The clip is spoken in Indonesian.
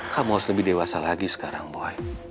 kamu harus lebih dewasa lagi sekarang boy